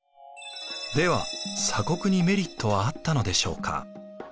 では鎖国にメリットはあったのでしょうか？